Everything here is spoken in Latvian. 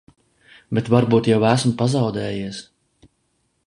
Bet varbūt jau esmu pazaudējies?